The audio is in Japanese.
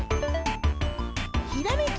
ひらめき！